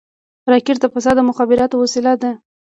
راکټ د فضا د مخابراتو وسیله ده